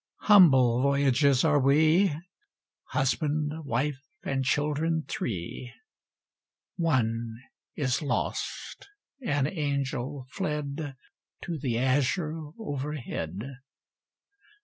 Humble voyagers are we, Husband, wife, and children three (One is lost an angel, fled To the azure overhead!)